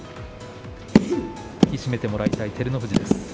引き締めてもらいたい照ノ富士です。